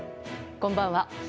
こんばんは。